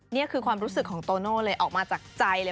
นี่คือความรู้สึกของโตโน่เลยออกมาจากใจเลย